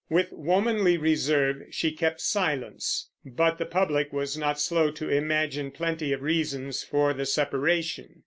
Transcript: With womanly reserve she kept silence; but the public was not slow to imagine plenty of reasons for the separation.